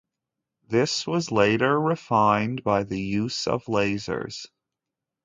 This was later refined by the use of lasers.